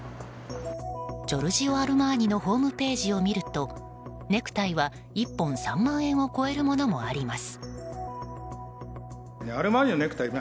ジョルジオ・アルマーニのホームページを見るとネクタイは１本３万円を超えるものもあります。